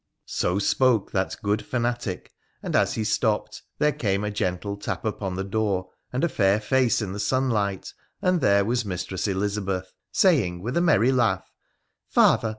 ' So spoke that good fanatic, and as he stopped there came a gentle tap upon the door, and a fair face in the sunlight, and there was Mistress Elizabeth saying, with a merry laugh :' Father